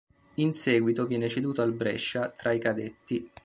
In seguito viene ceduto al Brescia tra i cadetti.